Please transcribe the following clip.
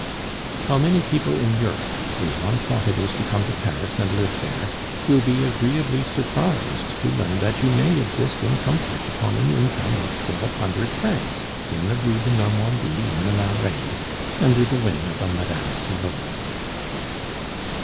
How many people in Europe, whose one thought it is to come to Paris and live there, will be agreeably surprised to learn that you may exist in comfort upon an income of twelve hundred francs in the Rue de Normandie in the Marais, under the wing of a Mme. Cibot.